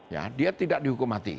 ya dia tidak dihukum mati